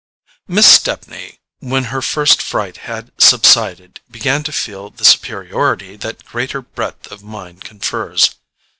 Miss Stepney, when her first fright had subsided, began to feel the superiority that greater breadth of mind confers.